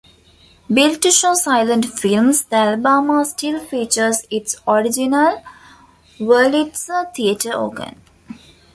Built to show silent films, the Alabama still features its original Wurlitzer theater organ.